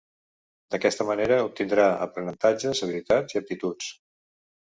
D'aquesta manera, obtindrà aprenentatges, habilitats i aptituds.